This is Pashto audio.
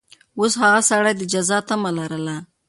اوس هغه سړي د جزا تمه لرله.